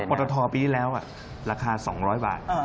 อัพโปรโทธอปีที่แล้วราคา๒๐๐บาท